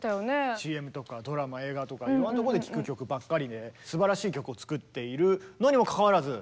ＣＭとかドラマ映画とかいろんなとこで聴く曲ばっかりですばらしい曲を作っているのにもかかわらずご覧のとおり。